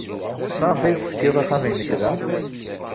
Maɣef ay teṣkid axxam-nnek da?